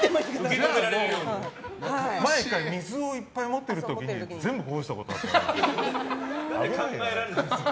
前、水をいっぱい持っていた時に全部、こぼしたことがあったよね。